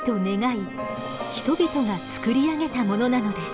人々が作り上げたものなのです。